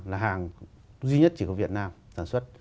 là hàng duy nhất chỉ có việt nam sản xuất